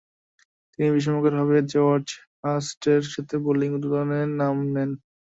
তিনি বিস্ময়করভাবে জর্জ হার্স্টের সাথে বোলিং উদ্বোধনে নামেন।